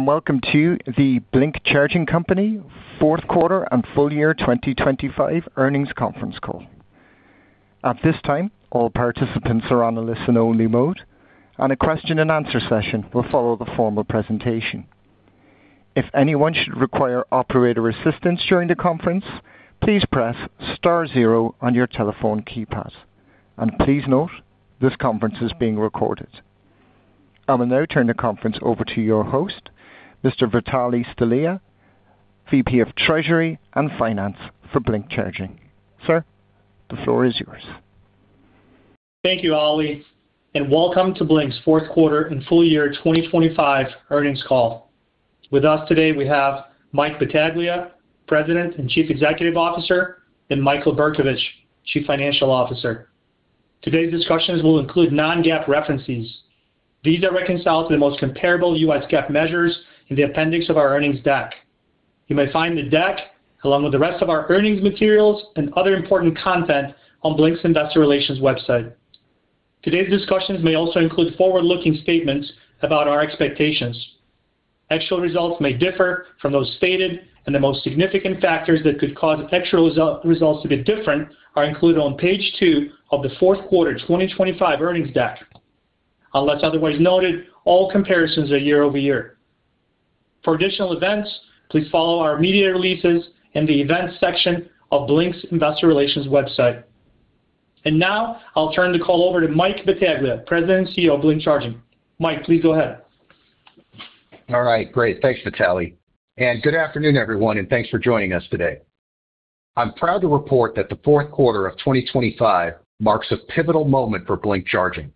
Welcome to the Blink Charging Co. fourth quarter and full-year 2025 earnings conference call. At this time, all participants are on a listen only mode, and a question and answer session will follow the formal presentation. If anyone should require operator assistance during the conference, please press star zero on your telephone keypad. Please note this conference is being recorded. I will now turn the conference over to your host, Mr. Vitalie Stelea, VP of Treasury and Finance for Blink Charging. Sir, the floor is yours. Thank you, Ali, and welcome to Blink's fourth quarter and full-year 2025 earnings call. With us today we have Mike Battaglia, President and Chief Executive Officer, and Michael Bercovich, Chief Financial Officer. Today's discussions will include non-GAAP references. These are reconciled to the most comparable U.S. GAAP measures in the appendix of our earnings deck. You may find the deck, along with the rest of our earnings materials and other important content on Blink's Investor Relations website. Today's discussions may also include forward-looking statements about our expectations. Actual results may differ from those stated, and the most significant factors that could cause actual results to be different are included on page two of the fourth quarter 2025 earnings deck. Unless otherwise noted, all comparisons are year-over-year. For additional events, please follow our media releases in the events section of Blink's Investor Relations website. Now I'll turn the call over to Mike Battaglia, President and CEO of Blink Charging. Mike, please go ahead. All right, great. Thanks, Vitalie. Good afternoon, everyone, and thanks for joining us today. I'm proud to report that the fourth quarter of 2025 marks a pivotal moment for Blink Charging.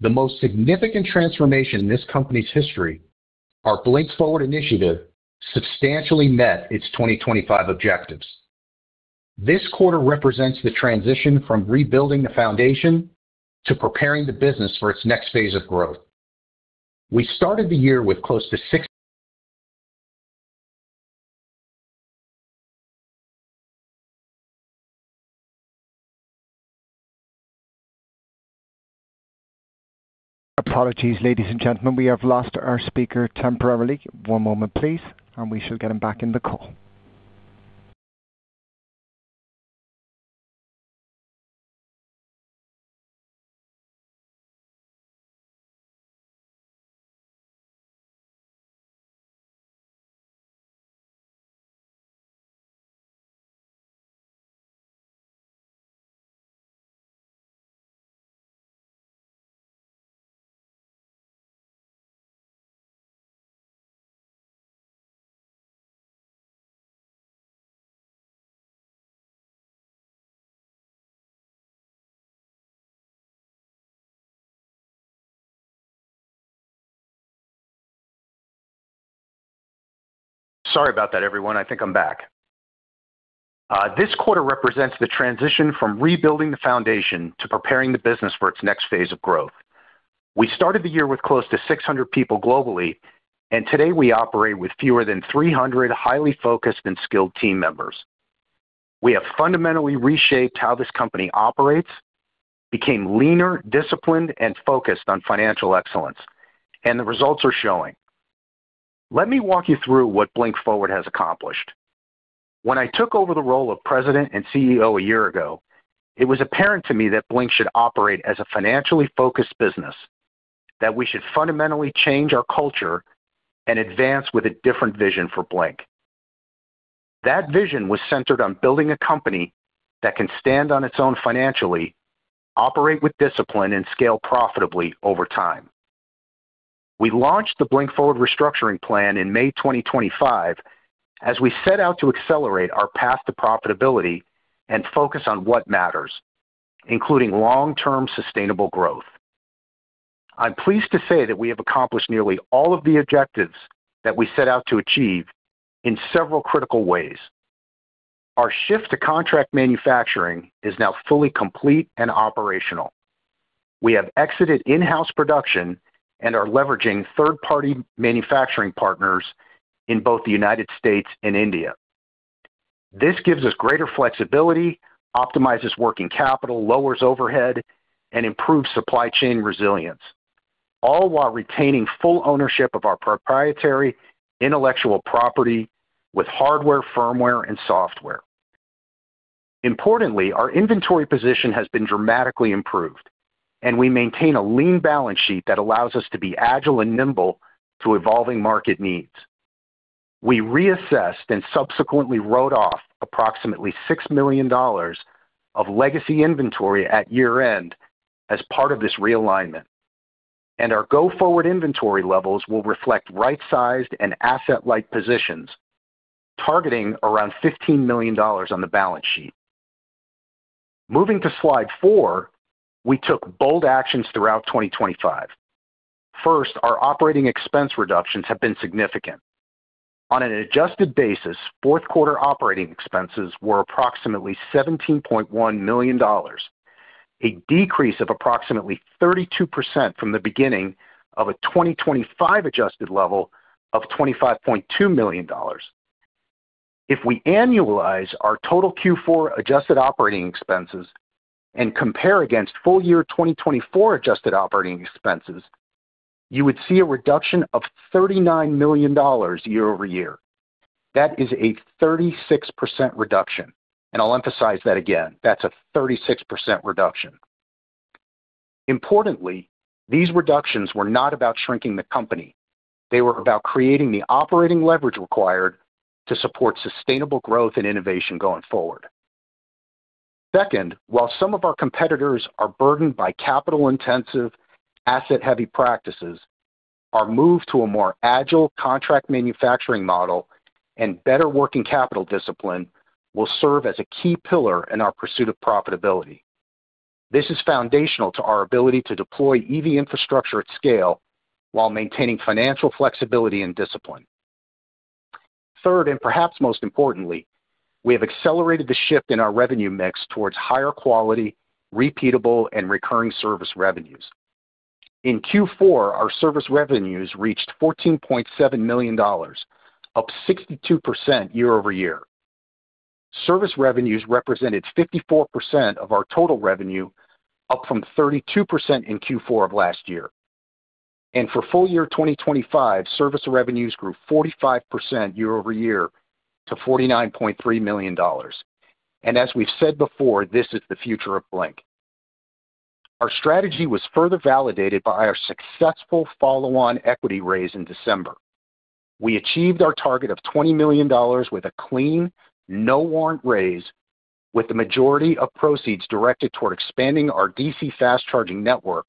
The most significant transformation in this company's history, our Blink Forward initiative, substantially met its 2025 objectives. This quarter represents the transition from rebuilding the foundation to preparing the business for its next phase of growth. We started the year with close to six- Apologies, ladies and gentlemen, we have lost our speaker temporarily. One moment, please, and we shall get him back in the call. Sorry about that, everyone. I think I'm back. This quarter represents the transition from rebuilding the foundation to preparing the business for its next phase of growth. We started the year with close to 600 people globally, and today we operate with fewer than 300 highly focused and skilled team members. We have fundamentally reshaped how this company operates, became leaner, disciplined, and focused on financial excellence, and the results are showing. Let me walk you through what Blink Forward has accomplished. When I took over the role of President and CEO a year ago, it was apparent to me that Blink should operate as a financially focused business, that we should fundamentally change our culture and advance with a different vision for Blink. That vision was centered on building a company that can stand on its own financially, operate with discipline, and scale profitably over time. We launched the Blink Forward restructuring plan in May 2025 as we set out to accelerate our path to profitability and focus on what matters, including long-term sustainable growth. I'm pleased to say that we have accomplished nearly all of the objectives that we set out to achieve in several critical ways. Our shift to contract manufacturing is now fully complete and operational. We have exited in-house production and are leveraging third-party manufacturing partners in both the United States and India. This gives us greater flexibility, optimizes working capital, lowers overhead, and improves supply chain resilience, all while retaining full ownership of our proprietary intellectual property with hardware, firmware, and software. Importantly, our inventory position has been dramatically improved, and we maintain a lean balance sheet that allows us to be agile and nimble to evolving market needs. We reassessed and subsequently wrote off approximately $6 million of legacy inventory at year-end as part of this realignment. Our go-forward inventory levels will reflect right-sized and asset-light positions, targeting around $15 million on the balance sheet. Moving to slide four, we took bold actions throughout 2025. First, our operating expense reductions have been significant. On an adjusted basis, fourth quarter operating expenses were approximately $17.1 million, a decrease of approximately 32% from the beginning of a 2025 adjusted level of $25.2 million. If we annualize our total Q4 adjusted operating expenses and compare against full-year 2024 adjusted operating expenses, you would see a reduction of $39 million year-over-year. That is a 36% reduction. I'll emphasize that again. That's a 36% reduction. Importantly, these reductions were not about shrinking the company. They were about creating the operating leverage required to support sustainable growth and innovation going forward. Second, while some of our competitors are burdened by capital-intensive, asset-heavy practices, our move to a more agile contract manufacturing model and better working capital discipline will serve as a key pillar in our pursuit of profitability. This is foundational to our ability to deploy EV infrastructure at scale while maintaining financial flexibility and discipline. Third, and perhaps most importantly, we have accelerated the shift in our revenue mix towards higher quality, repeatable, and recurring service revenues. In Q4, our service revenues reached $14.7 million, up 62% year-over-year. Service revenues represented 54% of our total revenue, up from 32% in Q4 of last year. For full-year 2025, service revenues grew 45% year-over-year to $49.3 million. As we've said before, this is the future of Blink. Our strategy was further validated by our successful follow-on equity raise in December. We achieved our target of $20 million with a clean, no warrant raise, with the majority of proceeds directed toward expanding our DC fast charging network,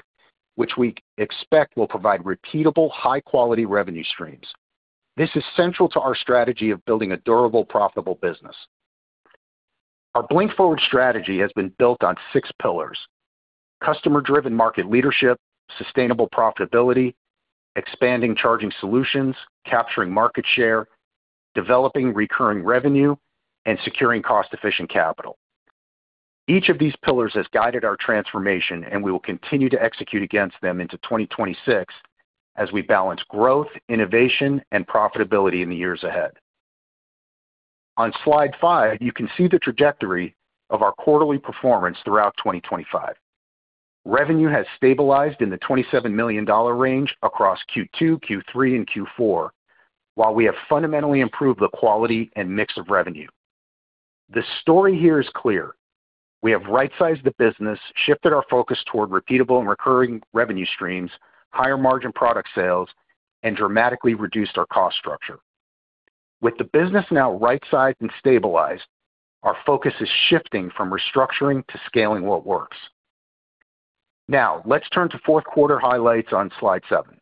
which we expect will provide repeatable, high quality revenue streams. This is central to our strategy of building a durable, profitable business. Our Blink Forward strategy has been built on six pillars. Customer-driven market leadership, sustainable profitability, expanding charging solutions, capturing market share, developing recurring revenue, and securing cost-efficient capital. Each of these pillars has guided our transformation, and we will continue to execute against them into 2026 as we balance growth, innovation, and profitability in the years ahead. On slide five, you can see the trajectory of our quarterly performance throughout 2025. Revenue has stabilized in the $27 million range across Q2, Q3, and Q4, while we have fundamentally improved the quality and mix of revenue. The story here is clear. We have right-sized the business, shifted our focus toward repeatable and recurring revenue streams, higher margin product sales, and dramatically reduced our cost structure. With the business now right-sized and stabilized, our focus is shifting from restructuring to scaling what works. Now, let's turn to fourth quarter highlights on slide seven.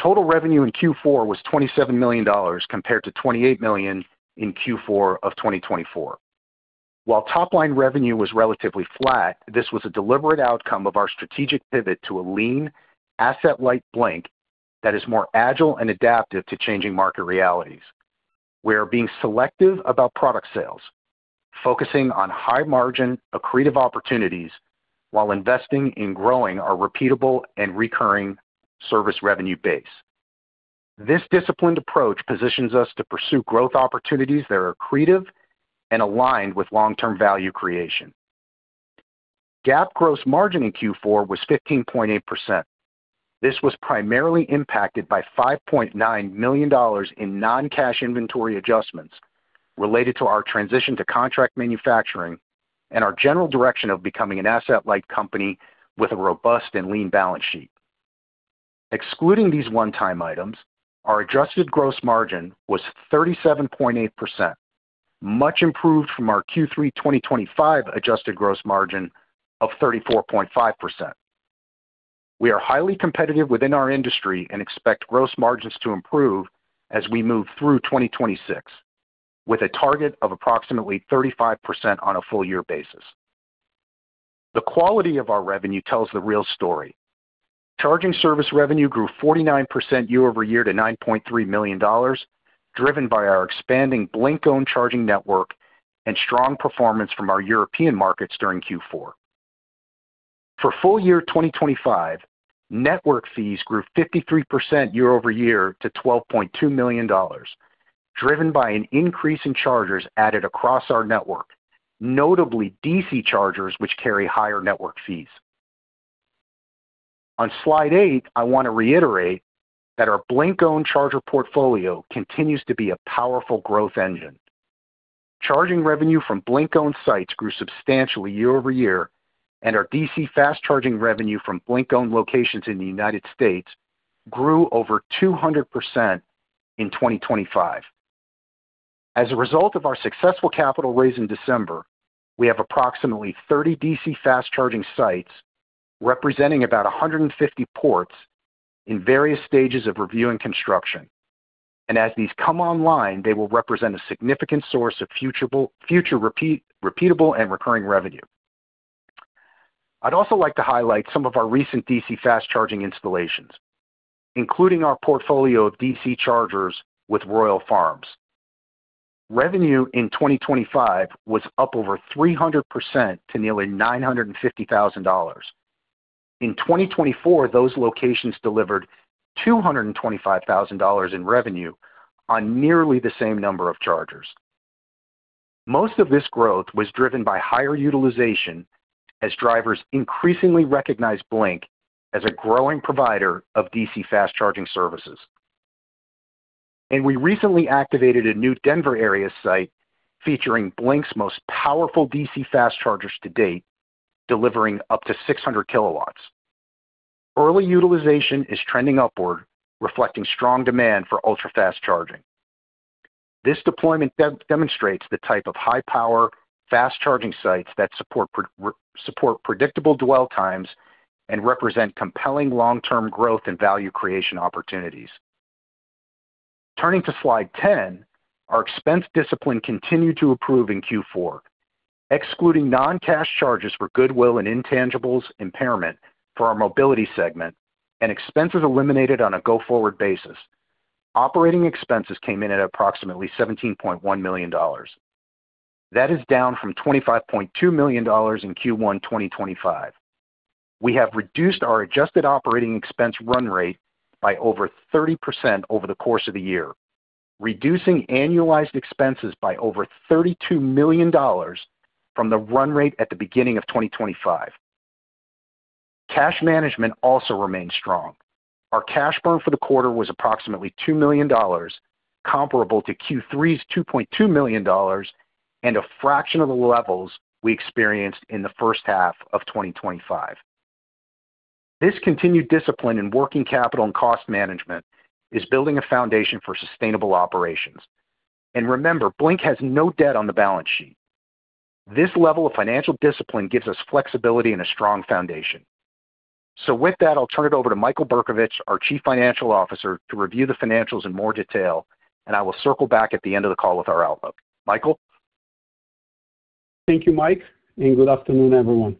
Total revenue in Q4 was $27 million compared to $28 million in Q4 of 2024. While top line revenue was relatively flat, this was a deliberate outcome of our strategic pivot to a lean asset-light Blink that is more agile and adaptive to changing market realities. We are being selective about product sales, focusing on high margin, accretive opportunities while investing in growing our repeatable and recurring service revenue base. This disciplined approach positions us to pursue growth opportunities that are accretive and aligned with long-term value creation. GAAP gross margin in Q4 was 15.8%. This was primarily impacted by $5.9 million in non-cash inventory adjustments related to our transition to contract manufacturing and our general direction of becoming an asset-light company with a robust and lean balance sheet. Excluding these one-time items, our adjusted gross margin was 37.8%, much improved from our Q3 2025 adjusted gross margin of 34.5%. We are highly competitive within our industry and expect gross margins to improve as we move through 2026, with a target of approximately 35% on a full-year basis. The quality of our revenue tells the real story. Charging service revenue grew 49% year-over-year to $9.3 million, driven by our expanding Blink-owned charging network and strong performance from our European markets during Q4. For full-year 2025, network fees grew 53% year-over-year to $12.2 million, driven by an increase in chargers added across our network, notably DC chargers, which carry higher network fees. On slide eight, I want to reiterate that our Blink-owned charger portfolio continues to be a powerful growth engine. Charging revenue from Blink-owned sites grew substantially year-over-year, and our DC fast charging revenue from Blink-owned locations in the United States grew over 200% in 2025. As a result of our successful capital raise in December, we have approximately 30 DC fast charging sites representing about 150 ports in various stages of review and construction. As these come online, they will represent a significant source of future repeatable and recurring revenue. I'd also like to highlight some of our recent DC fast charging installations, including our portfolio of DC chargers with Royal Farms. Revenue in 2025 was up over 300% to nearly $950,000. In 2024, those locations delivered $225,000 in revenue on nearly the same number of chargers. Most of this growth was driven by higher utilization as drivers increasingly recognize Blink as a growing provider of DC fast charging services. We recently activated a new Denver area site featuring Blink's most powerful DC fast chargers to date, delivering up to 600 kW. Early utilization is trending upward, reflecting strong demand for ultra-fast charging. This deployment demonstrates the type of high-power fast charging sites that support predictable dwell times and represent compelling long-term growth and value creation opportunities. Turning to slide 10, our expense discipline continued to improve in Q4. Excluding non-cash charges for goodwill and intangibles impairment for our Mobility segment and expenses eliminated on a go-forward basis, operating expenses came in at approximately $17.1 million. That is down from $25.2 million in Q1 2025. We have reduced our adjusted operating expense run rate by over 30% over the course of the year, reducing annualized expenses by over $32 million from the run rate at the beginning of 2025. Cash management also remains strong. Our cash burn for the quarter was approximately $2 million, comparable to Q3's $2.2 million and a fraction of the levels we experienced in the first half of 2025. This continued discipline in working capital and cost management is building a foundation for sustainable operations. Remember, Blink has no debt on the balance sheet. This level of financial discipline gives us flexibility and a strong foundation. With that, I'll turn it over to Michael Bercovich, our Chief Financial Officer, to review the financials in more detail, and I will circle back at the end of the call with our outlook. Michael. Thank you, Mike, and good afternoon, everyone.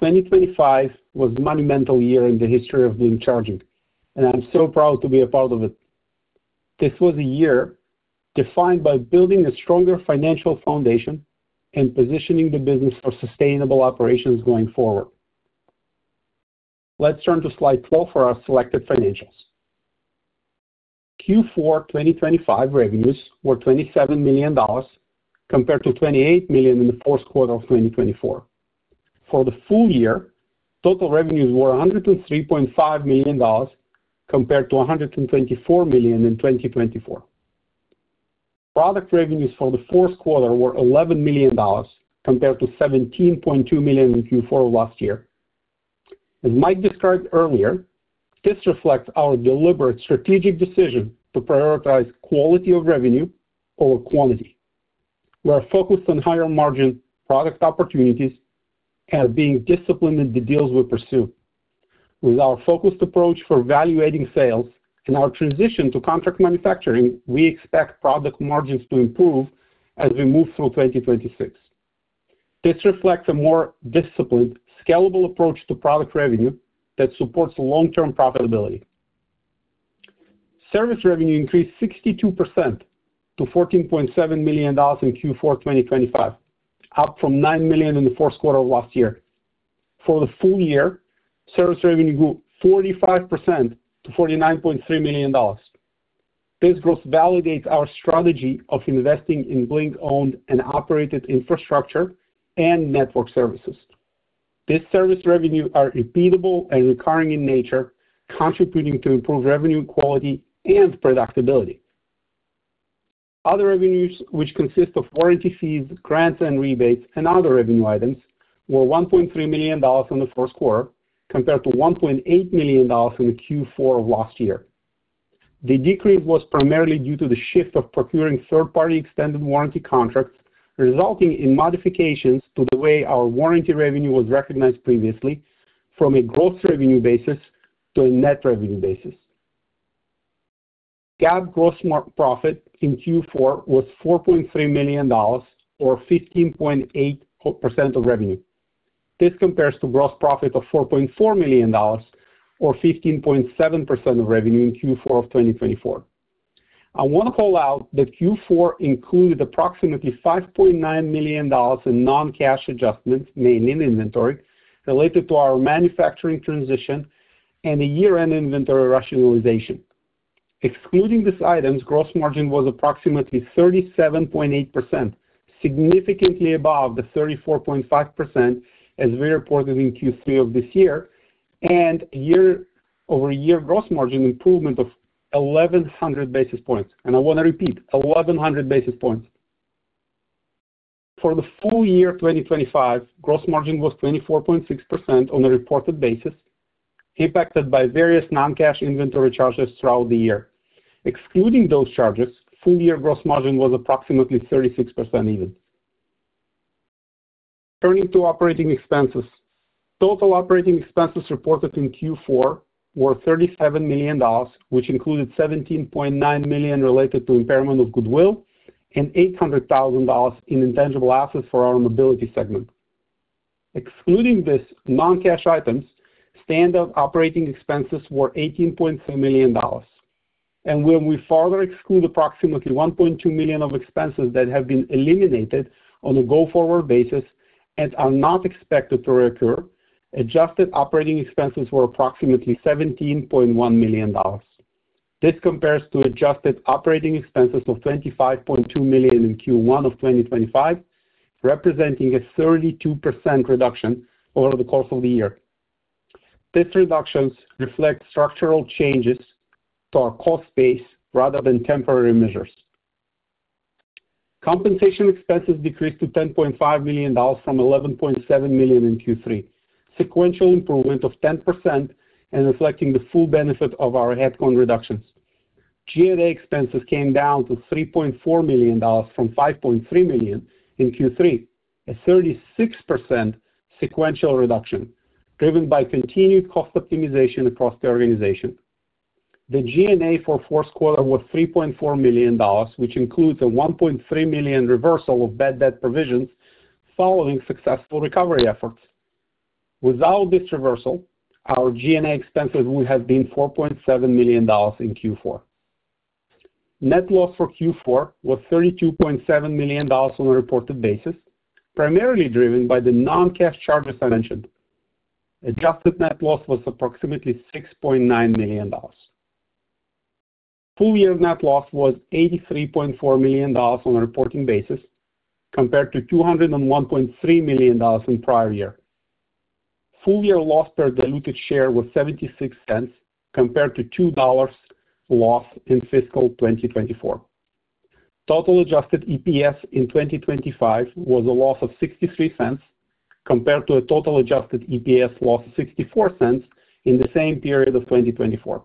2025 was a monumental year in the history of Blink Charging, and I'm so proud to be a part of it. This was a year defined by building a stronger financial foundation and positioning the business for sustainable operations going forward. Let's turn to slide 12 for our selected financials. Q4 2025 revenues were $27 million compared to $28 million in the fourth quarter of 2024. For the full-year, total revenues were $103.5 million compared to $124 million in 2024. Product revenues for the fourth quarter were $11 million compared to $17.2 million in Q4 last year. As Mike described earlier, this reflects our deliberate strategic decision to prioritize quality of revenue over quantity. We are focused on higher-margin product opportunities and being disciplined in the deals we pursue. With our focused approach for evaluating sales and our transition to contract manufacturing, we expect product margins to improve as we move through 2026. This reflects a more disciplined, scalable approach to product revenue that supports long-term profitability. Service revenue increased 62% to $14.7 million in Q4 2025, up from $9 million in the fourth quarter of last year. For the full-year, service revenue grew 45% to $49.3 million. This growth validates our strategy of investing in Blink-owned and operated infrastructure and network services. These service revenue are repeatable and recurring in nature, contributing to improved revenue quality and predictability. Other revenues, which consist of warranty fees, grants and rebates, and other revenue items, were $1.3 million in the first quarter compared to $1.8 million in the Q4 of last year. The decrease was primarily due to the shift of procuring third-party extended warranty contracts, resulting in modifications to the way our warranty revenue was recognized previously from a gross revenue basis to a net revenue basis. GAAP gross profit in Q4 was $4.3 million or 15.8% of revenue. This compares to gross profit of $4.4 million or 15.7% of revenue in Q4 of 2024. I want to call out that Q4 included approximately $5.9 million in non-cash adjustments made in inventory related to our manufacturing transition and a year-end inventory rationalization. Excluding these items, gross margin was approximately 37.8%, significantly above the 34.5% as we reported in Q3 of this year and year-over-year gross margin improvement of 1,100 basis points. I want to repeat, 1,100 basis points. For the full-year, 2025 gross margin was 24.6% on a reported basis, impacted by various non-cash inventory charges throughout the year. Excluding those charges, full-year gross margin was approximately 36% even. Turning to operating expenses. Total operating expenses reported in Q4 were $37 million, which included $17.9 million related to impairment of goodwill and $800,000 in intangible assets for our Mobility segment. Excluding these non-cash items, standalone operating expenses were $18.4 million. When we further exclude approximately $1.2 million of expenses that have been eliminated on a go-forward basis and are not expected to recur, adjusted operating expenses were approximately $17.1 million. This compares to adjusted operating expenses of $25.2 million in Q1 of 2025, representing a 32% reduction over the course of the year. These reductions reflect structural changes to our cost base rather than temporary measures. Compensation expenses decreased to $10.5 million from $11.7 million in Q3, sequential improvement of 10% and reflecting the full benefit of our headcount reductions. G&A expenses came down to $3.4 million from $5.3 million in Q3, a 36% sequential reduction driven by continued cost optimization across the organization. The G&A for fourth quarter was $3.4 million, which includes a $1.3 million reversal of bad debt provisions following successful recovery efforts. Without this reversal, our G&A expenses would have been $4.7 million in Q4. Net loss for Q4 was $32.7 million on a reported basis, primarily driven by the non-cash charges I mentioned. Adjusted net loss was approximately $6.9 million. Full-year net loss was $83.4 million on a reported basis compared to $201.3 million in prior year. Full-year loss per diluted share was $0.76 compared to $2 loss in fiscal year 2024. Total adjusted EPS in 2025 was a loss of $0.63 compared to a total adjusted EPS loss of $0.64 in the same period of 2024.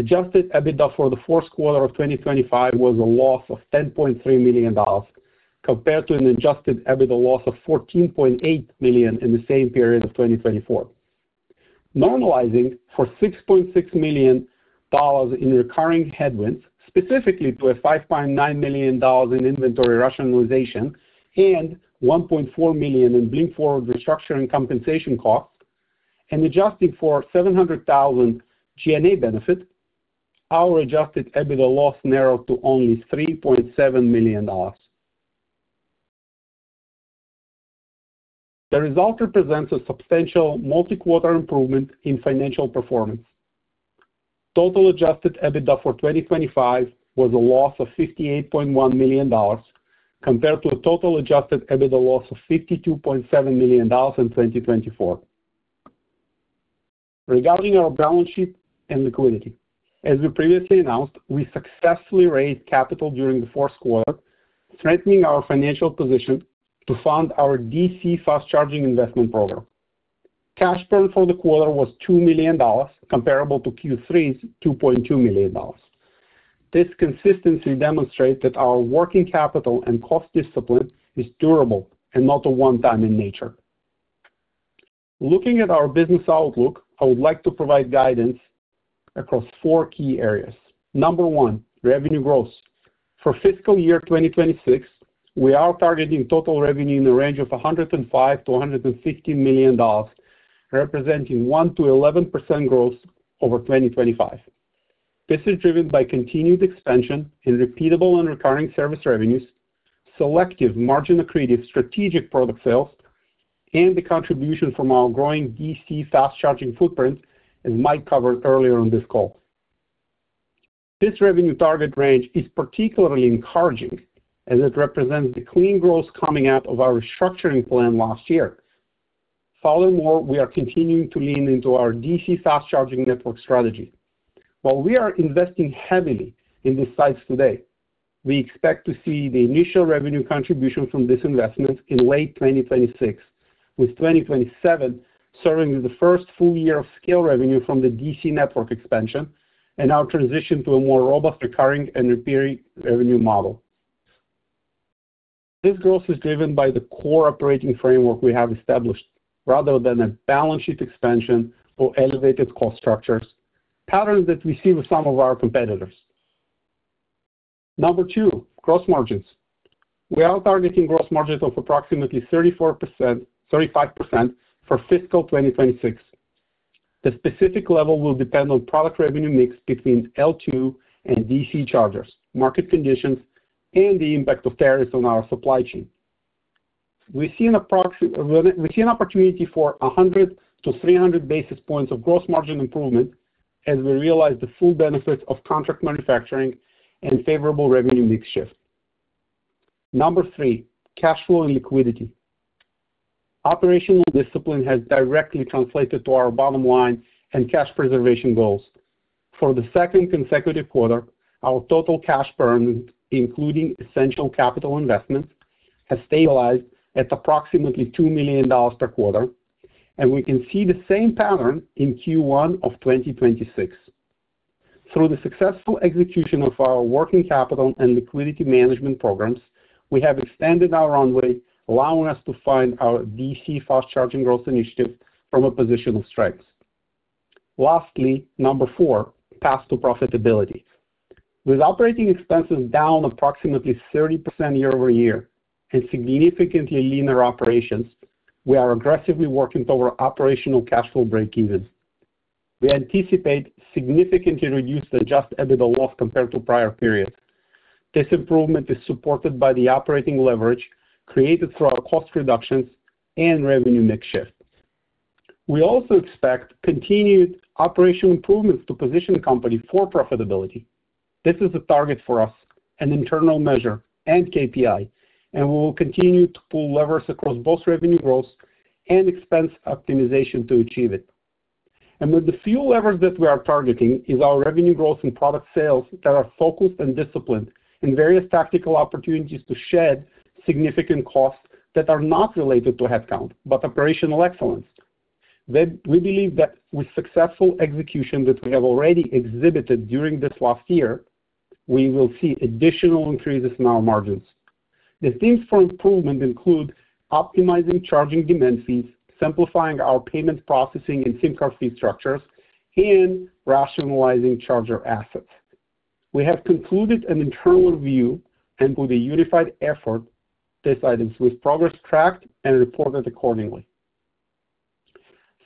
Adjusted EBITDA for the fourth quarter of 2025 was a loss of $10.3 million compared to an adjusted EBITDA loss of $14.8 million in the same period of 2024. Normalizing for $6.6 million in recurring headwinds, specifically a $5.9 million in inventory rationalization and $1.4 million in Blink Forward restructuring compensation costs and adjusting for $700,000 G&A benefit, our adjusted EBITDA loss narrowed to only $3.7 million. The result represents a substantial multi-quarter improvement in financial performance. Total adjusted EBITDA for 2025 was a loss of $58.1 million compared to a total adjusted EBITDA loss of $52.7 million in 2024. Regarding our balance sheet and liquidity, as we previously announced, we successfully raised capital during the fourth quarter, strengthening our financial position to fund our DC fast charging investment program. Cash burn for the quarter was $2 million, comparable to Q3's $2.2 million. This consistency demonstrates that our working capital and cost discipline is durable and not a one-time in nature. Looking at our business outlook, I would like to provide guidance across four key areas. Number one, revenue growth. For fiscal year 2026, we are targeting total revenue in the range of $105 million-$150 million, representing 1%-11% growth over 2025. This is driven by continued expansion in repeatable and recurring service revenues, selective margin accretive strategic product sales, and the contribution from our growing DC fast charging footprint as Mike covered earlier on this call. This revenue target range is particularly encouraging as it represents the clean growth coming out of our restructuring plan last year. Furthermore, we are continuing to lean into our DC fast charging network strategy. While we are investing heavily in these sites today, we expect to see the initial revenue contribution from this investment in late 2026, with 2027 serving as the first full-year of scale revenue from the DC network expansion and our transition to a more robust recurring and repeating revenue model. This growth is driven by the core operating framework we have established rather than a balance sheet expansion or elevated cost structures, patterns that we see with some of our competitors. Number two, gross margins. We are targeting gross margins of approximately 34%-35% for fiscal year 2026. The specific level will depend on product revenue mix between L2 and DC chargers, market conditions, and the impact of tariffs on our supply chain. We see an opportunity for 100-300 basis points of gross margin improvement as we realize the full benefits of contract manufacturing and favorable revenue mix shift. Number three, cash flow and liquidity. Operational discipline has directly translated to our bottom line and cash preservation goals. For the second consecutive quarter, our total cash burn, including essential capital investments, has stabilized at approximately $2 million per quarter, and we can see the same pattern in Q1 of 2026. Through the successful execution of our working capital and liquidity management programs, we have extended our runway, allowing us to fund our DC fast charging growth initiative from a position of strength. Lastly, number four, path to profitability. With operating expenses down approximately 30% year-over-year and significantly leaner operations, we are aggressively working toward operational cash flow breakeven. We anticipate significantly reduced adjusted EBITDA loss compared to prior periods. This improvement is supported by the operating leverage created through our cost reductions and revenue mix shift. We also expect continued operational improvements to position the company for profitability. This is a target for us, an internal measure and KPI, and we will continue to pull levers across both revenue growth and expense optimization to achieve it. One of the few levers that we are targeting is our revenue growth and product sales that are focused and disciplined in various tactical opportunities to shed significant costs that are not related to headcount but operational excellence. We believe that with successful execution that we have already exhibited during this last year, we will see additional increases in our margins. The themes for improvement include optimizing charging demand fees, simplifying our payment processing and SIM card fee structures, and rationalizing charger assets. We have concluded an internal review and with a unified effort, these items with progress tracked and reported accordingly.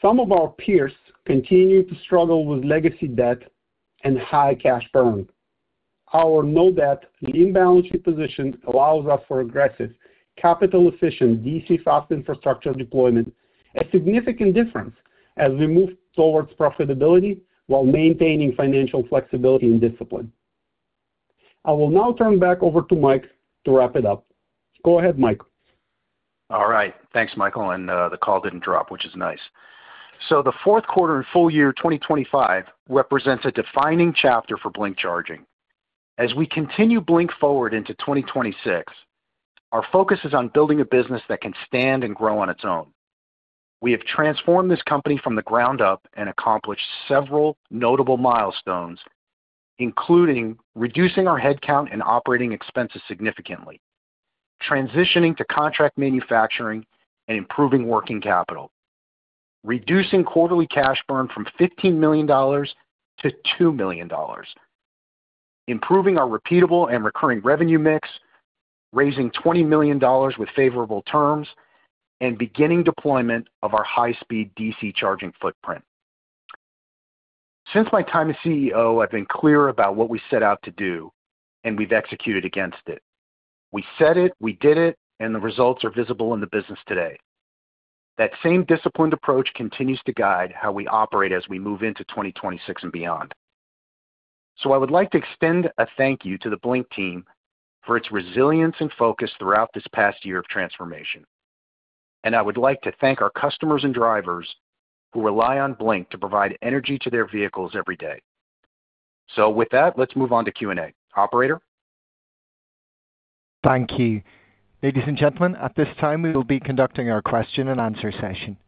Some of our peers continue to struggle with legacy debt and high cash burn. Our no debt and lean balance sheet position allows us for aggressive, capital-efficient DC fast infrastructure deployment, a significant difference as we move towards profitability while maintaining financial flexibility and discipline. I will now turn back over to Mike to wrap it up. Go ahead, Mike. All right. Thanks, Michael. The call didn't drop, which is nice. The fourth quarter and full-year 2025 represents a defining chapter for Blink Charging. As we continue Blink Forward into 2026, our focus is on building a business that can stand and grow on its own. We have transformed this company from the ground up and accomplished several notable milestones, including reducing our headcount and operating expenses significantly, transitioning to contract manufacturing and improving working capital, reducing quarterly cash burn from $15 million to $2 million, improving our repeatable and recurring revenue mix, raising $20 million with favorable terms, and beginning deployment of our high-speed DC charging footprint. Since my time as CEO, I've been clear about what we set out to do, and we've executed against it. We said it, we did it, and the results are visible in the business today. That same disciplined approach continues to guide how we operate as we move into 2026 and beyond. I would like to extend a thank you to the Blink team for its resilience and focus throughout this past year of transformation. I would like to thank our customers and drivers who rely on Blink to provide energy to their vehicles every day. With that, let's move on to Q&A. Operator. Thank you. Ladies and gentlemen, at this time, we will be conducting our question and answer session.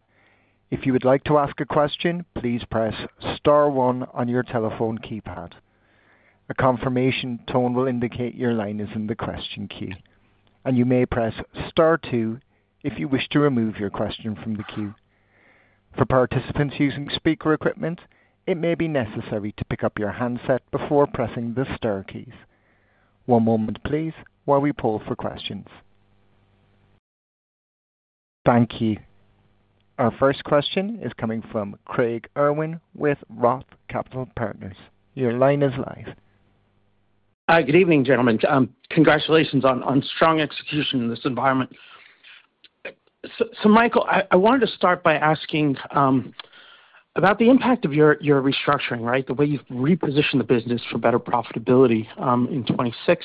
If you would like to ask a question, please press star one on your telephone keypad. A confirmation tone will indicate your line is in the question queue, and you may press star two if you wish to remove your question from the queue. For participants using speaker equipment, it may be necessary to pick up your handset before pressing the star keys. One moment please while we poll for questions. Thank you. Our first question is coming from Craig Irwin with Roth Capital Partners. Your line is live. Hi. Good evening, gentlemen. Congratulations on strong execution in this environment. Michael, I wanted to start by asking about the impact of your restructuring, right? The way you've repositioned the business for better profitability in 2026.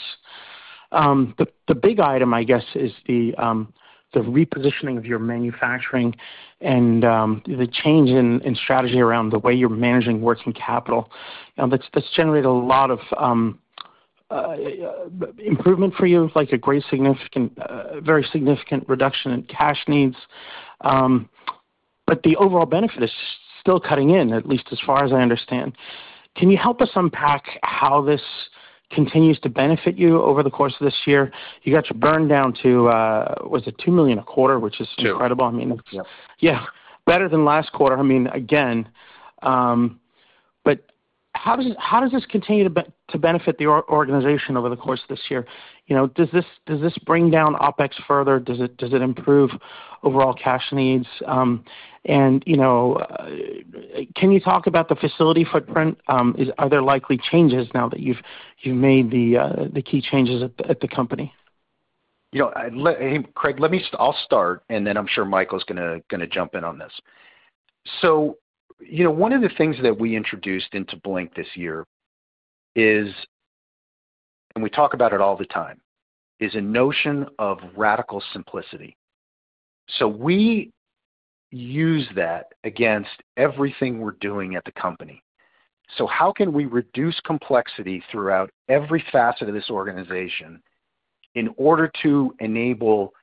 The big item, I guess, is the repositioning of your manufacturing and the change in strategy around the way you're managing working capital. That's generated a lot of improvement for you, a very significant reduction in cash needs. But the overall benefit is still kicking in, at least as far as I understand. Can you help us unpack how this continues to benefit you over the course of this year? You got your burn down to, was it $2 million a quarter, which is incredible. Two. I mean. Yeah. Yeah, better than last quarter. I mean, again, but how does this continue to benefit the organization over the course of this year? You know, does this bring down OpEx further? Does it improve overall cash needs? You know, can you talk about the facility footprint? Are there likely changes now that you've made the key changes at the company? You know, Craig, let me, I'll start, and then I'm sure Michael's gonna jump in on this. You know, one of the things that we introduced into Blink this year is, and we talk about it all the time, is a notion of radical simplicity. We use that against everything we're doing at the company. How can we reduce complexity throughout every facet of this organization in order to enable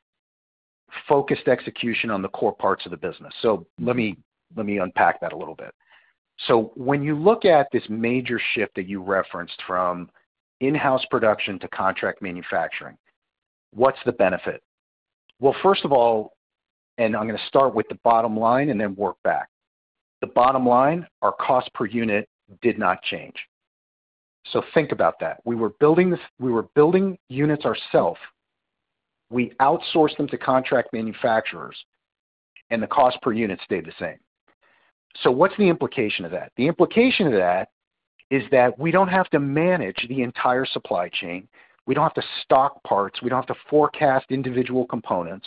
focused execution on the core parts of the business? Let me unpack that a little bit. When you look at this major shift that you referenced from in-house production to contract manufacturing, what's the benefit? Well, first of all, and I'm gonna start with the bottom line and then work back. The bottom line, our cost per unit did not change. Think about that. We were building units ourselves. We outsourced them to contract manufacturers, and the cost per unit stayed the same. What's the implication of that? The implication of that is that we don't have to manage the entire supply chain. We don't have to stock parts. We don't have to forecast individual components.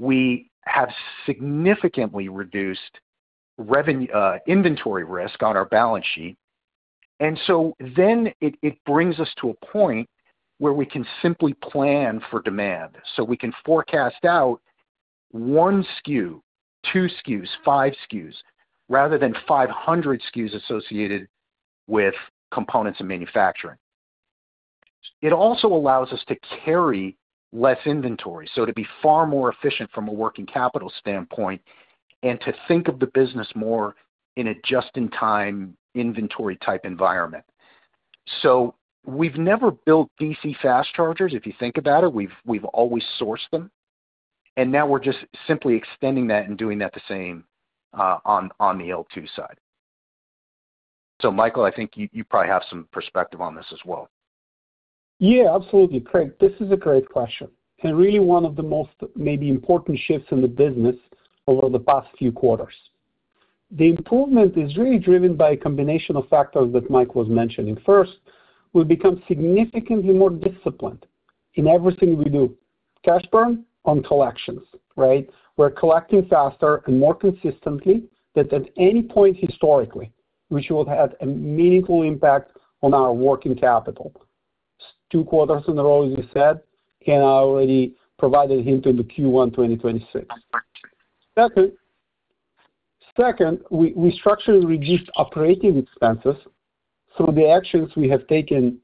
We have significantly reduced inventory risk on our balance sheet. It brings us to a point where we can simply plan for demand. We can forecast out one SKU, two SKUs, five SKUs, rather than 500 SKUs associated with components and manufacturing. It also allows us to carry less inventory, so to be far more efficient from a working capital standpoint and to think of the business more in a just-in-time inventory type environment. We've never built DC fast chargers, if you think about it. We've always sourced them. Now we're just simply extending that and doing that the same, on the L2 side. Michael, I think you probably have some perspective on this as well. Yeah, absolutely. Craig, this is a great question, and really one of the most maybe important shifts in the business over the past few quarters. The improvement is really driven by a combination of factors that Mike was mentioning. First, we've become significantly more disciplined in everything we do. Cash burn on collections, right? We're collecting faster and more consistently than at any point historically, which will have a meaningful impact on our working capital. Two quarters in a row, as we said, and I already provided a hint in the Q1 2026. Second, we structurally reduced operating expenses through the actions we have taken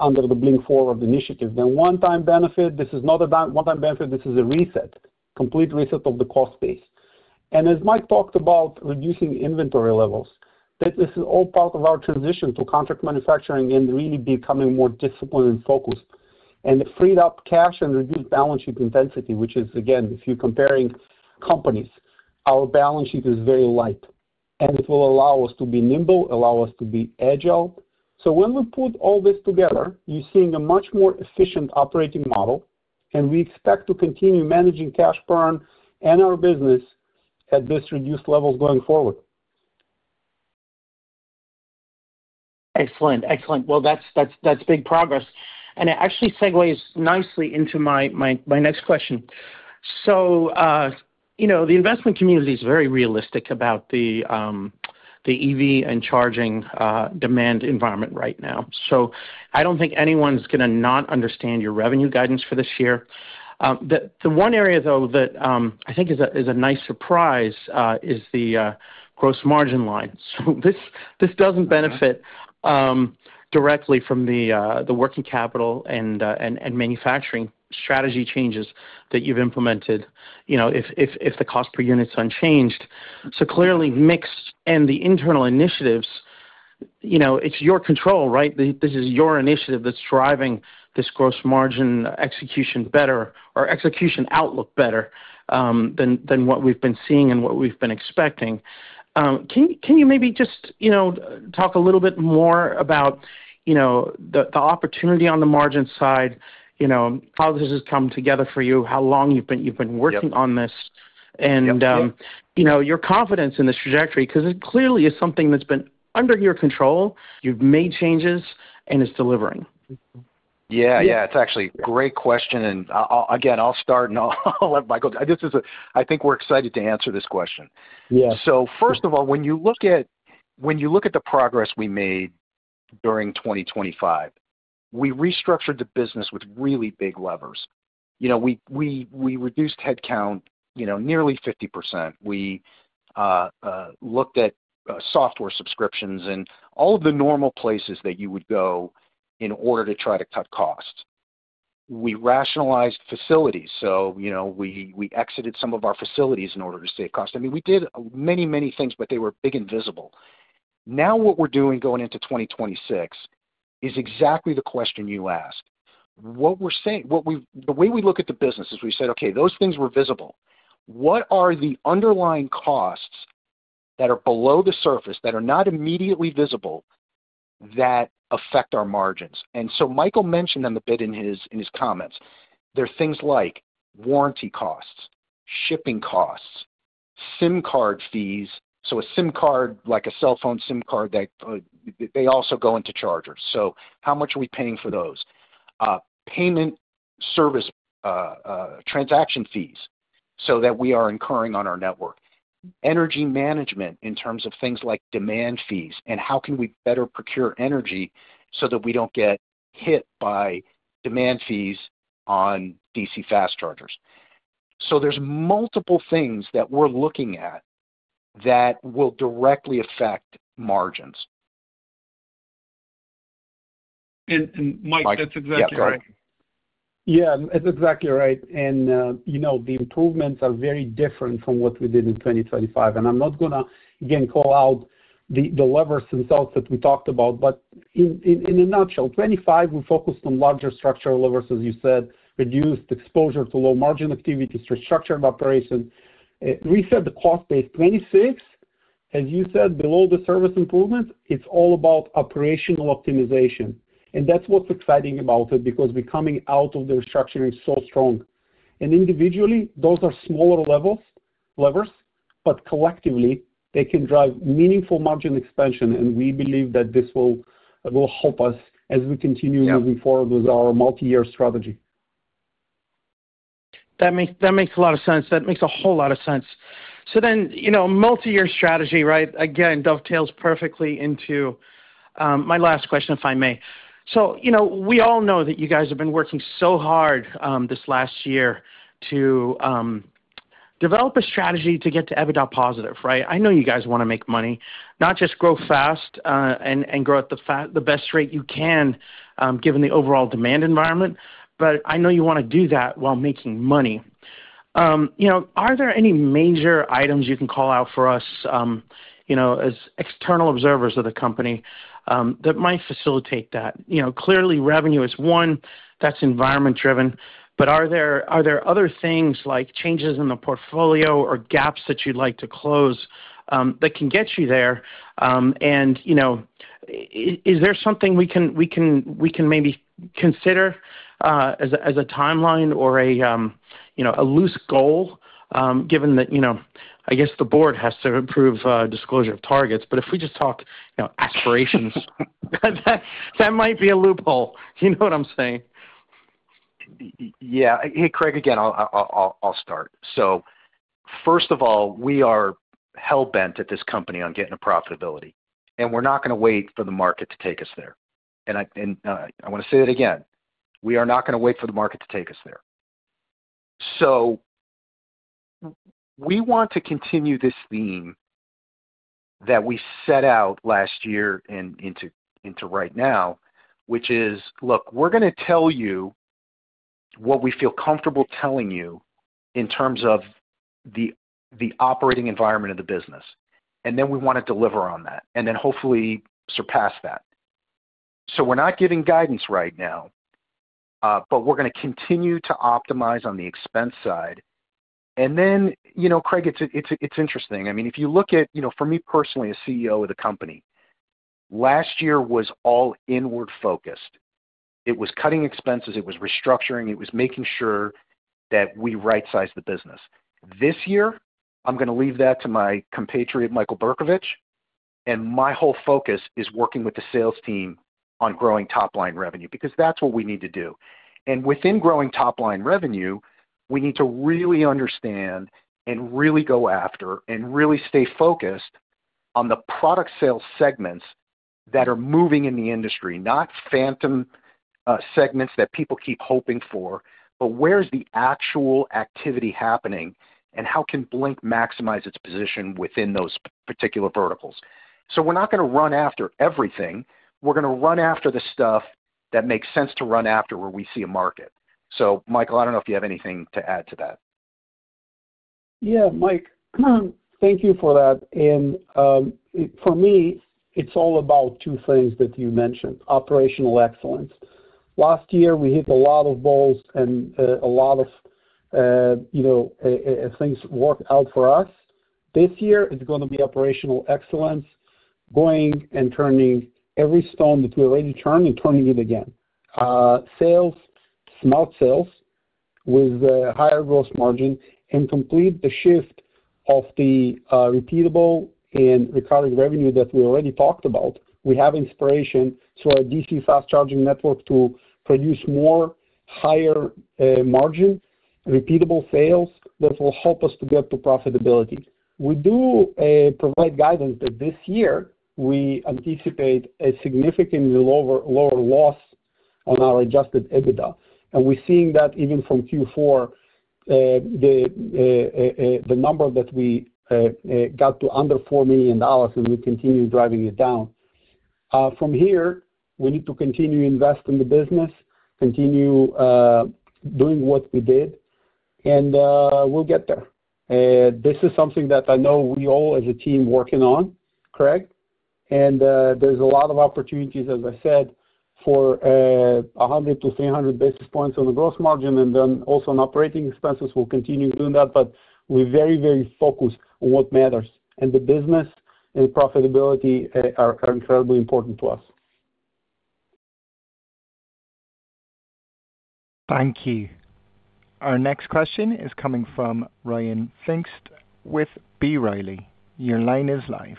under the Blink Forward initiative. The one-time benefit, this is not a one-time benefit, this is a reset, complete reset of the cost base. As Mike talked about reducing inventory levels, that this is all part of our transition to contract manufacturing and really becoming more disciplined and focused. It freed up cash and reduced balance sheet intensity, which is again, if you're comparing companies, our balance sheet is very light, and it will allow us to be nimble, allow us to be agile. When we put all this together, you're seeing a much more efficient operating model, and we expect to continue managing cash burn and our business at this reduced level going forward. Excellent. Well, that's big progress. It actually segues nicely into my next question. You know, the investment community is very realistic about the EV and charging demand environment right now. I don't think anyone's gonna not understand your revenue guidance for this year. The one area, though, that I think is a nice surprise is the gross margin line. This doesn't benefit directly from the working capital and manufacturing strategy changes that you've implemented, you know, if the cost per unit's unchanged. Clearly, mix and the internal initiatives, you know, it's your control, right? This is your initiative that's driving this gross margin execution better or execution outlook better, than what we've been seeing and what we've been expecting. Can you maybe just, you know, talk a little bit more about, you know, the opportunity on the margin side, you know, how this has come together for you, how long you've been working- Yep. On this and, um- Yep. You know, your confidence in this trajectory 'cause it clearly is something that's been under your control, you've made changes, and it's delivering. Yeah. It's actually a great question. Again, I'll start, and I'll let Michael. I think we're excited to answer this question. Yeah. First of all, when you look at the progress we made during 2025, we restructured the business with really big levers. You know, we reduced headcount, you know, nearly 50%. We looked at software subscriptions and all of the normal places that you would go in order to try to cut costs. We rationalized facilities. You know, we exited some of our facilities in order to save costs. I mean, we did many things, but they were big and visible. Now what we're doing going into 2026 is exactly the question you asked. The way we look at the business is we said, "Okay, those things were visible. What are the underlying costs that are below the surface that are not immediately visible that affect our margins?" Michael mentioned them a bit in his comments. They're things like warranty costs, shipping costs, SIM card fees. A SIM card, like a cell phone SIM card that they also go into chargers. How much are we paying for those? Payment service transaction fees that we are incurring on our network. Energy management in terms of things like demand fees and how can we better procure energy so that we don't get hit by demand fees on DC fast chargers. There's multiple things that we're looking at that will directly affect margins. And, and Mike- Michael. That's exactly right. Yeah, Craig. Yeah, that's exactly right. You know, the improvements are very different from what we did in 2025. I'm not gonna, again, call out the levers and results that we talked about, but in a nutshell, 2025 we focused on larger structural levers, as you said, reduced exposure to low-margin activities, restructuring of operations. We said the cost base 2026. As you said, below the service improvement, it's all about operational optimization. That's what's exciting about it because we're coming out of the restructuring so strong. Individually, those are smaller levers, but collectively they can drive meaningful margin expansion, and we believe that this will help us as we continue. Yeah. Moving forward with our multi-year strategy. That makes a lot of sense. That makes a whole lot of sense. You know, multi-year strategy, right? Again, dovetails perfectly into my last question, if I may. You know, we all know that you guys have been working so hard this last year to develop a strategy to get to EBITDA positive, right? I know you guys wanna make money, not just grow fast and grow at the best rate you can, given the overall demand environment. I know you wanna do that while making money. You know, are there any major items you can call out for us, you know, as external observers of the company, that might facilitate that? You know, clearly revenue is one that's environment driven, but are there other things like changes in the portfolio or gaps that you'd like to close that can get you there? You know, is there something we can maybe consider as a timeline or a you know, a loose goal, given that, you know, I guess the board has to approve disclosure of targets, but if we just talk you know, aspirations. That might be a loophole. You know what I'm saying? Yeah. Hey, Craig, again, I'll start. First of all, we are hell-bent at this company on getting to profitability, and we're not gonna wait for the market to take us there. I wanna say it again. We are not gonna wait for the market to take us there. We want to continue this theme that we set out last year and into right now, which is, look, we're gonna tell you what we feel comfortable telling you in terms of the operating environment of the business, and then we wanna deliver on that, and then hopefully surpass that. We're not giving guidance right now, but we're gonna continue to optimize on the expense side. You know, Craig, it's interesting. I mean, if you look at, you know, for me personally, as CEO of the company, last year was all inward-focused. It was cutting expenses, it was restructuring, it was making sure that we right-sized the business. This year, I'm gonna leave that to my compatriot, Michael Bercovich, and my whole focus is working with the sales team on growing top-line revenue, because that's what we need to do. Within growing top-line revenue, we need to really understand and really go after and really stay focused on the product sales segments that are moving in the industry, not phantom, segments that people keep hoping for, but where's the actual activity happening and how can Blink maximize its position within those particular verticals. So we're not gonna run after everything. We're gonna run after the stuff that makes sense to run after where we see a market. Michael, I don't know if you have anything to add to that. Yeah. Mike, thank you for that. For me, it's all about two things that you mentioned, operational excellence. Last year, we hit a lot of goals and a lot of, you know, things worked out for us. This year is gonna be operational excellence, going and turning every stone that we already turned and turning it again. Sales, smart sales with a higher gross margin and complete the shift of the repeatable and recurring revenue that we already talked about. We have inspiration through our DC fast charging network to produce more higher margin, repeatable sales that will help us to get to profitability. We do provide guidance that this year we anticipate a significantly lower loss on our adjusted EBITDA, and we're seeing that even from Q4, the number that we got to under $4 million, and we continue driving it down. From here, we need to continue to invest in the business, continue doing what we did, and we'll get there. This is something that I know we all as a team working on, Craig. There's a lot of opportunities, as I said, for 100-300 basis points on the gross margin, and then also on operating expenses, we'll continue doing that. We're very, very focused on what matters, and the business and profitability are incredibly important to us. Thank you. Our next question is coming from Ryan Pfingst with B. Riley. Your line is live.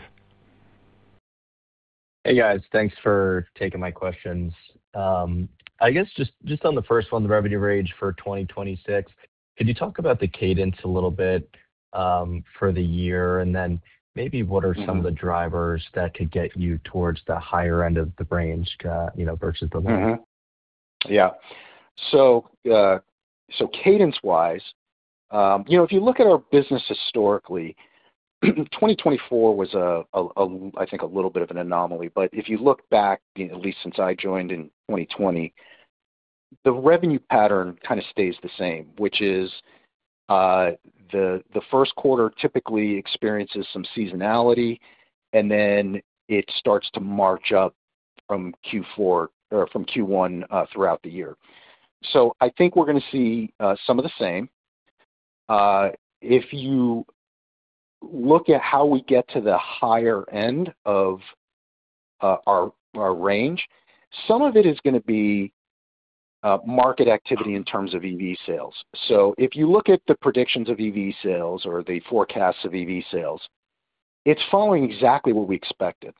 Hey, guys. Thanks for taking my questions. I guess just on the first one, the revenue range for 2026, could you talk about the cadence a little bit for the year? Then maybe what are some of the drivers that could get you towards the higher end of the range, you know, versus the lower? Cadence-wise, you know, if you look at our business historically, 2024 was, I think, a little bit of an anomaly. If you look back, at least since I joined in 2020, the revenue pattern kinda stays the same, which is the first quarter typically experiences some seasonality, and then it starts to march up from Q4 or from Q1 throughout the year. I think we're gonna see some of the same. If you look at how we get to the higher end of our range, some of it is gonna be market activity in terms of EV sales. If you look at the predictions of EV sales or the forecasts of EV sales, it's following exactly what we expected.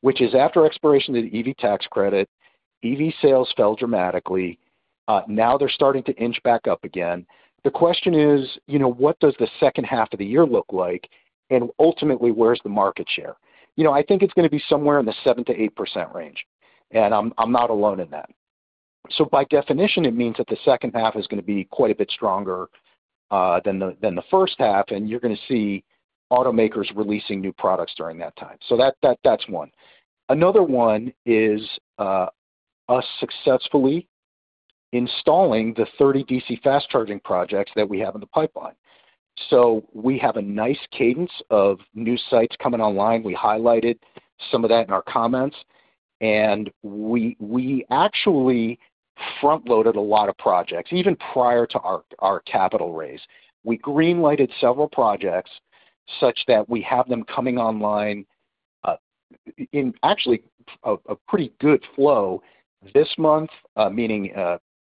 Which is after expiration of the EV tax credit, EV sales fell dramatically. Now they're starting to inch back up again. The question is, you know, what does the second half of the year look like? Ultimately, where is the market share? You know, I think it's gonna be somewhere in the 7%-8% range, and I'm not alone in that. By definition, it means that the second half is gonna be quite a bit stronger than the first half, and you're gonna see automakers releasing new products during that time. That's one. Another one is us successfully installing the 30 DC fast charging projects that we have in the pipeline. We have a nice cadence of new sites coming online. We highlighted some of that in our comments, and we actually front-loaded a lot of projects even prior to our capital raise. We green lighted several projects such that we have them coming online, in actually a pretty good flow this month,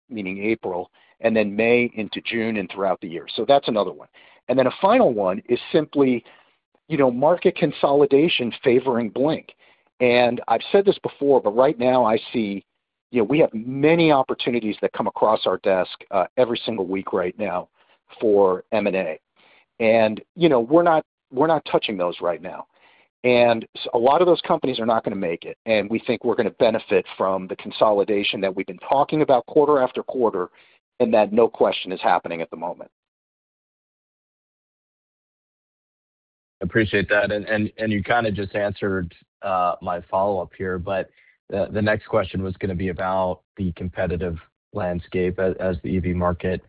meaning April, and then May into June and throughout the year. That's another one. Then a final one is simply, you know, market consolidation favoring Blink. I've said this before, but right now I see. You know, we have many opportunities that come across our desk, every single week right now for M&A. You know, we're not touching those right now. A lot of those companies are not gonna make it, and we think we're gonna benefit from the consolidation that we've been talking about quarter after quarter, and that no question is happening at the moment. Appreciate that. You kinda just answered my follow-up here, but the next question was gonna be about the competitive landscape as the EV market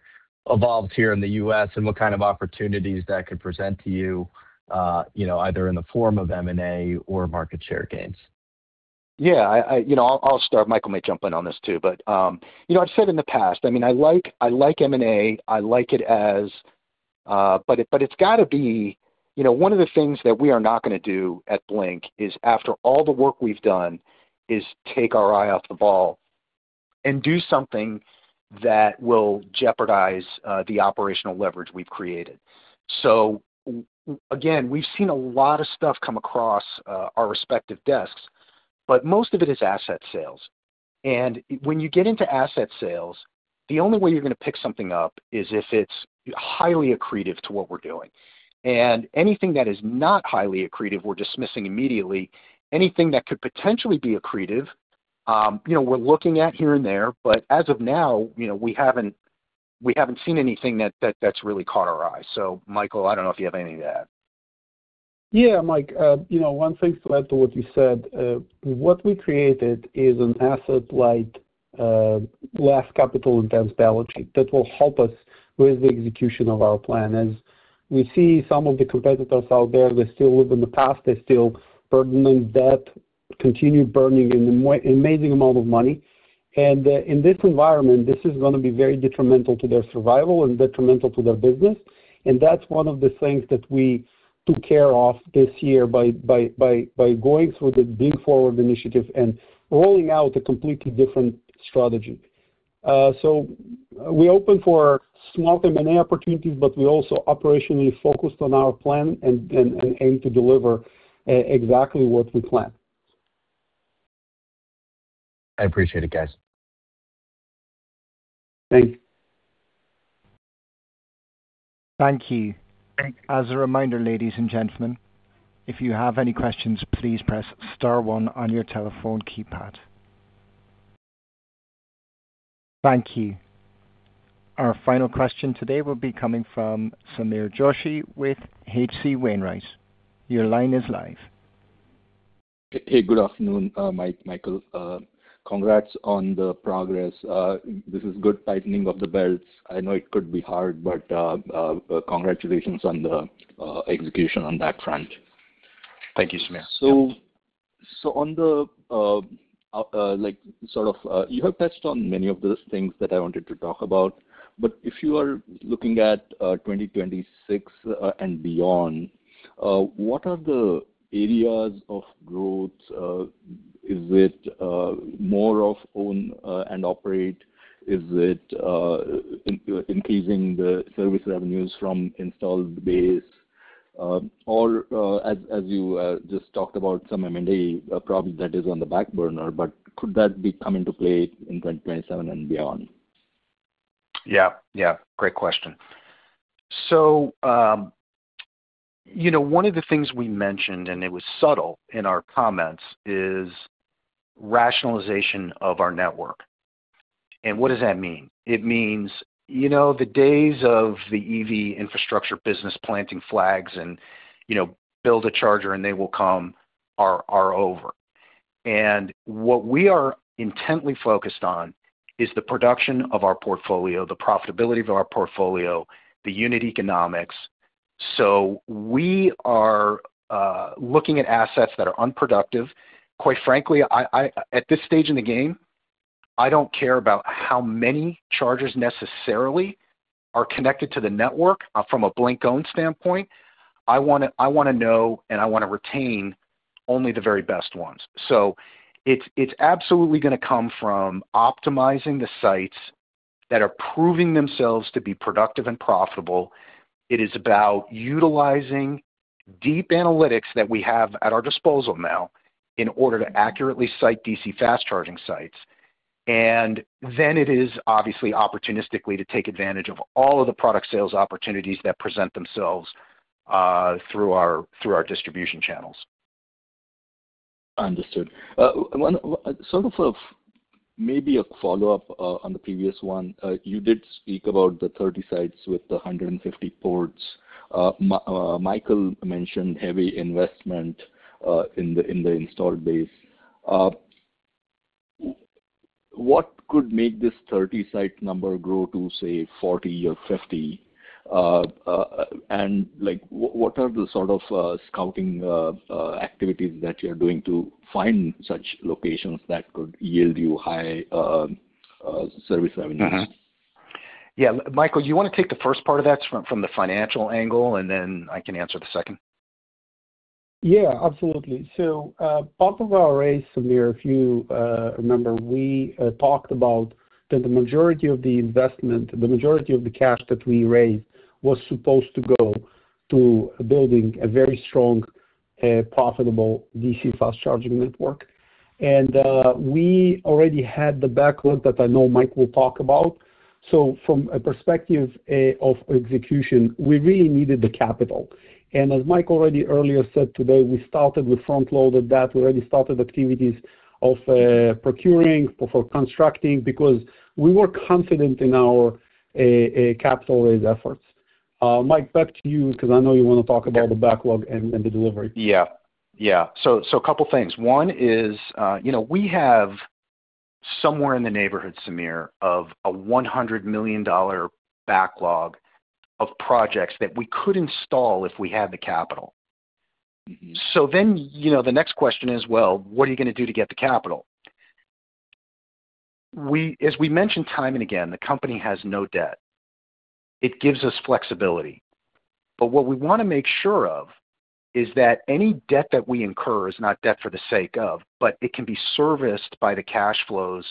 evolves here in the U.S. and what kind of opportunities that could present to you know, either in the form of M&A or market share gains. Yeah. You know, I'll start. Michael may jump in on this too. You know, I've said in the past, I mean, I like M&A, I like it as. It's gotta be. You know, one of the things that we are not gonna do at Blink is after all the work we've done, is take our eye off the ball and do something that will jeopardize the operational leverage we've created. Again, we've seen a lot of stuff come across our respective desks, but most of it is asset sales. When you get into asset sales, the only way you're gonna pick something up is if it's highly accretive to what we're doing. Anything that is not highly accretive, we're dismissing immediately. Anything that could potentially be accretive, you know, we're looking at here and there, but as of now, you know, we haven't seen anything that's really caught our eye. Michael, I don't know if you have anything to add. Yeah, Mike. You know, one thing to add to what you said. What we created is an asset-light, less capital-intensive balance sheet that will help us with the execution of our plan. As we see some of the competitors out there, they still live in the past. They still burdened with debt, continue burning an amazing amount of money. In this environment, this is gonna be very detrimental to their survival and detrimental to their business. That's one of the things that we took care of this year by going through the Blink Forward initiative and rolling out a completely different strategy. We're open for small M&A opportunities, but we're also operationally focused on our plan and aim to deliver exactly what we plan. I appreciate it, guys. Thank you. Thank you. As a reminder, ladies and gentlemen, if you have any questions, please press star one on your telephone keypad. Thank you. Our final question today will be coming from Sameer Joshi with H.C. Wainwright. Your line is live. Hey, good afternoon, Michael. Congrats on the progress. This is good tightening of the belts. I know it could be hard, but congratulations on the execution on that front. Thank you, Sameer. You have touched on many of the things that I wanted to talk about, but if you are looking at 2026 and beyond, what are the areas of growth? Is it more of own and operate? Is it increasing the service revenues from installed base? Or, as you just talked about some M&A program that is on the back burner, but could that be coming to play in 2027 and beyond? Yeah. Yeah. Great question. You know, one of the things we mentioned, and it was subtle in our comments, is rationalization of our network. What does that mean? It means you know, the days of the EV infrastructure business planting flags and, you know, build a charger, and they will come are over. What we are intently focused on is the production of our portfolio, the profitability of our portfolio, the unit economics. We are looking at assets that are unproductive. Quite frankly, at this stage in the game, I don't care about how many chargers necessarily are connected to the network from a Blink-owned standpoint. I wanna know and I wanna retain only the very best ones. It's absolutely gonna come from optimizing the sites that are proving themselves to be productive and profitable. It is about utilizing deep analytics that we have at our disposal now in order to accurately site DC fast charging sites. It is obviously opportunistically to take advantage of all of the product sales opportunities that present themselves, through our distribution channels. Understood. Sort of, maybe a follow-up on the previous one. You did speak about the 30 sites with the 150 ports. Michael mentioned heavy investment in the installed base. What could make this 30-site number grow to, say, 40 or 50? Like, what are the sort of scouting activities that you're doing to find such locations that could yield you high service revenues? Yeah. Michael, you wanna take the first part of that from the financial angle, and then I can answer the second? Yeah, absolutely. Part of our raise, Sameer, if you remember, we talked about that the majority of the investment, the majority of the cash that we raised was supposed to go to building a very strong, profitable DC fast charging network. We already had the backlog that I know Mike will talk about. From a perspective of execution, we really needed the capital. As Mike already earlier said today, we started, we front loaded that. We already started activities of procuring for constructing, because we were confident in our capital raise efforts. Mike, back to you because I know you wanna talk about the backlog and the delivery. A couple things. One is, you know, we have somewhere in the neighborhood, Sameer, of a $100 million backlog of projects that we could install if we had the capital. Mm-hmm. You know, the next question is, well, what are you gonna do to get the capital? We, as we mentioned time and again, the company has no debt. It gives us flexibility. But what we wanna make sure of is that any debt that we incur is not debt for the sake of, but it can be serviced by the cash flows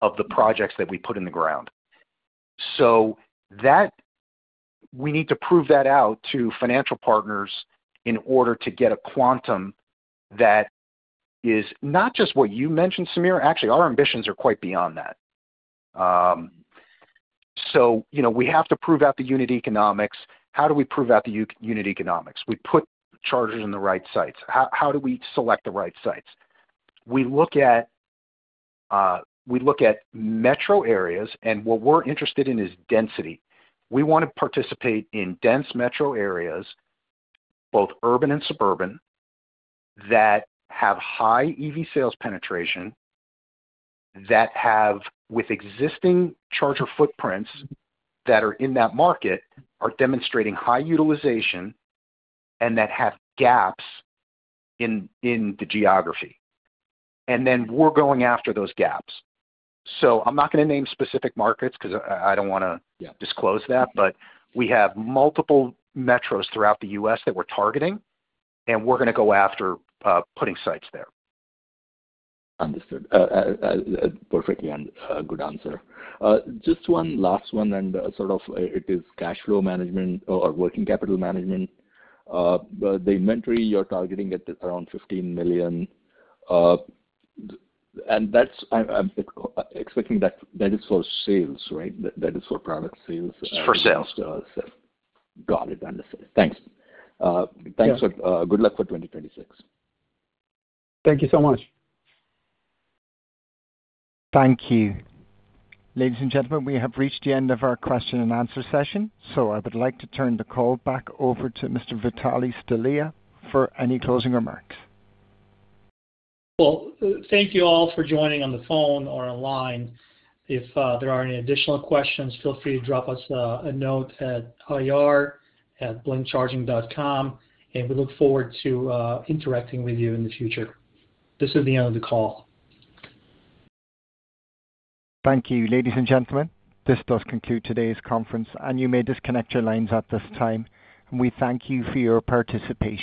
of the projects that we put in the ground. So that we need to prove that out to financial partners in order to get a quantum that is not just what you mentioned, Sameer. Actually, our ambitions are quite beyond that. so, you know, we have to prove out the unit economics. How do we prove out the unit economics? We put chargers in the right sites. How do we select the right sites? We look at metro areas, and what we're interested in is density. We wanna participate in dense metro areas, both urban and suburban, that have high EV sales penetration, with existing charger footprints that are in that market are demonstrating high utilization, and that have gaps in the geography. Then we're going after those gaps. I'm not gonna name specific markets because I don't wanna- Yeah. Disclose that. We have multiple metros throughout the U.S. that we're targeting, and we're gonna go after putting sites there. Understood perfectly and good answer. Just one last one, sort of, it is cash flow management or working capital management. The inventory you're targeting at around $15 million. I'm expecting that is for sales, right? That is for product sales. It's for sales. Got it. Understood. Thanks. Thanks. Yeah. Good luck for 2026. Thank you so much. Thank you. Ladies and gentlemen, we have reached the end of our question and answer session. I would like to turn the call back over to Mr. Vitalie Stelea for any closing remarks. Well, thank you all for joining on the phone or online. If there are any additional questions, feel free to drop us a note at ir@blinkcharging.com, and we look forward to interacting with you in the future. This is the end of the call. Thank you. Ladies and gentlemen, this does conclude today's conference, and you may disconnect your lines at this time. We thank you for your participation.